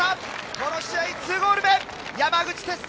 この試合、２ゴール目、山口輝星。